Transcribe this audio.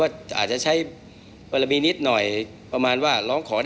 มีการที่จะพยายามติดศิลป์บ่นเจ้าพระงานนะครับ